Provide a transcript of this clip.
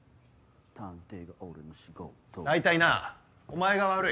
探偵が俺の仕事大体なお前が悪い。